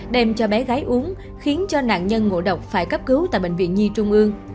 đem cho bé gái uống khiến cho nạn nhân ngộ độc phải cấp cứu tại bệnh viện nhi trung ương